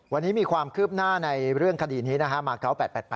วันนี้มีความคืบหน้าในเรื่องคดีนี้นะฮะมา๙๘๘